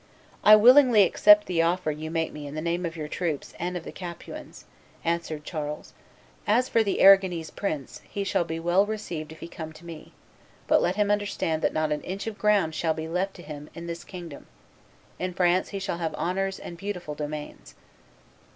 "I willingly accept the offer you make me in the name of your troops and of the Capuans," answered Charles: "as for the Arragonese prince, he shall be well received if he come to me; but let him understand that not an inch of ground shall be left to him in this kingdom; in France he shall have honors and beautiful domains."